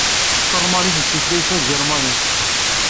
Talmanit d tutlayt taǧermanit.